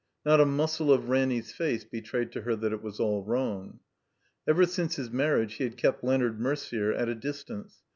Not a muscle of Ramiy's face betrayed to her that it was all wrong. Ever since his marriage he had kept Leonard Merder at a distance.